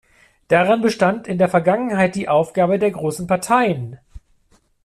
Darin bestand in der Vergangenheit die Aufgabe der großen Parteien.